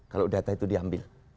kalau data itu diambil